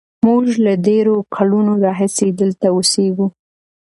موږ له ډېرو کلونو راهیسې دلته اوسېږو.